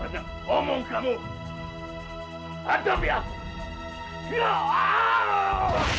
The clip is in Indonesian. jangan berbicara banyak